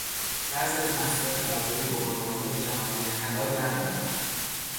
بعضی از محصولات غذایی گواهینامهٔ جهانی حلال ندارند.